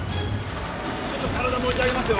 ちょっと体持ち上げますよ